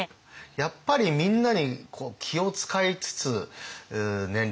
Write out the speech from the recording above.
やっぱりみんなに気を遣いつつ年齢のこともあるし。